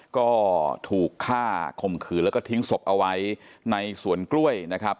ก็ถูกฆ่าข่มขืนแล้วก็ทิ้งศพเอาไว้ในสวนกล้วยนะครับ